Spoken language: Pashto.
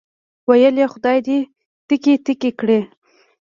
ویل یې خدای دې تیکې تیکې کړي.